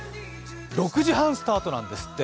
６時半スタートなんですって。